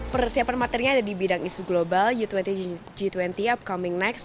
persiapan materinya ada di bidang isu global u dua puluh g dua puluh upcoming next